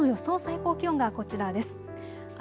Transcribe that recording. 最高気温がこちらです。